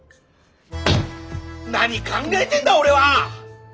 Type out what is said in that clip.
何考えてんだおれは！